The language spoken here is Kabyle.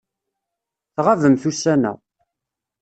Tɣabemt ussan-a.